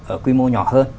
ở quy mô nhỏ hơn